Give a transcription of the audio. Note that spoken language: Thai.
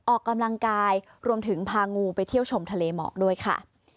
ออกกำลังกายรวมถึงพางูไปเที่ยวชมทะเลหมอกด้วยค่ะ